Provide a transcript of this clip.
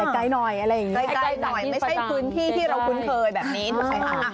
ใกล้หน่อยไม่ใช่พื้นที่ที่เราคุ้นเคยแบบนี้